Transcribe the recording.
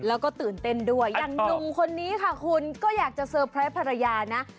แล้วก็ตื่นเต้นด้วยอย่างหนุ่มคนนี้ค่ะคุณก็อยากจะเซอร์ไพรส์ภรรยานะ